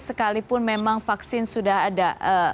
sekalipun memang vaksin sudah ada